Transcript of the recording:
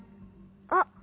あっ。